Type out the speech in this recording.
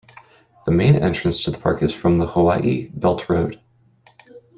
The main entrance to the park is from the Hawaii Belt Road.